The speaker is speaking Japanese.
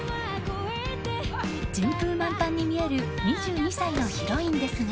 順風満帆に見える２２歳のヒロインですが。